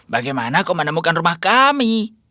bagaimana kau menemukan rumah kami